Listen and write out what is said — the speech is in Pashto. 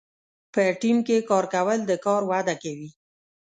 په ټیم کې کار کول د کار وده کوي.